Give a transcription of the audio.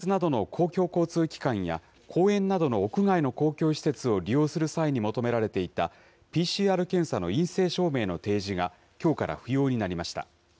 こうした中、上海では、地下鉄などの公共交通機関や、公園などの屋外の公共施設を利用する際に求められていたＰＣＲ検査の陰性証明の提示が、きょうから不要になりました。